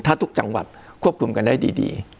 ถ้าทุกจังหวัดควบคุมกันได้ดี